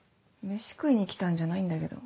メシ食いに来たんじゃないんだけど。